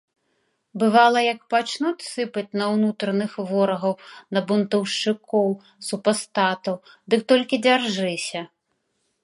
Бывала, як пачнуць сыпаць на ўнутраных ворагаў, на бунтаўшчыкоў, супастатаў, дык толькі дзяржыся!